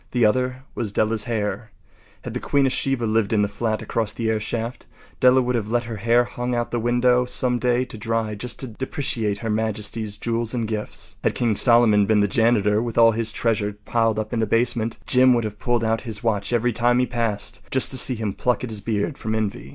The other was Della’s hair. Had the queen of Sheba lived in the flat across the airshaft, Della would have let her hair hang out the window some day to dry just to depreciate Her Majesty’s jewels and gifts. Had King Solomon been the janitor, with all his treasures piled up in the basement, Jim would have pulled out his watch every time he passed, just to see him pluck at his beard from envy.